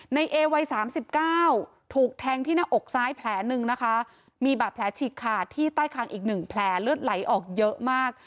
ในเอวัย๓๙ถูกแทงที่หน้าอกซ้ายแผลหนึ่งนะคะมีบาดแผลฉีกขาดที่ใต้คางอีก๑แผลเลือดไหลออกเยอะมาก